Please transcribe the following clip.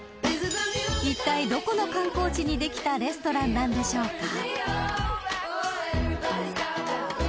［いったいどこの観光地にできたレストランなんでしょうか？］